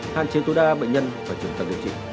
hạn chế tối đa bệnh nhân và trưởng tầng điều trị